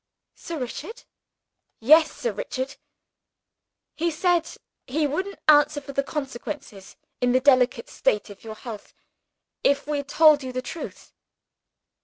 "Sir Richard?" "Yes Sir Richard. He said he wouldn't answer for the consequences, in the delicate state of your health, if we told you the truth.